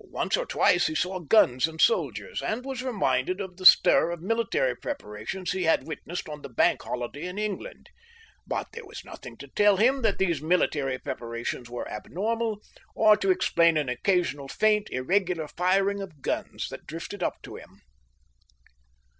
Once or twice he saw guns and soldiers, and was reminded of the stir of military preparations he had witnessed on the Bank Holiday in England; but there was nothing to tell him that these military preparations were abnormal or to explain an occasional faint irregular firing Of guns that drifted up to him....